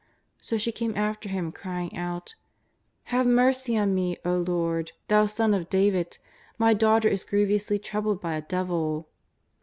So she came after Him crying out; " Have mercy on me, O Lord, Thou Son of David, my daughter is grievously troubled by a devil."